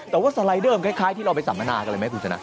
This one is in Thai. แต่ว่าสไลเดอร์มันคล้ายที่เราไปสัมมนากันเลยไหมคุณชนะ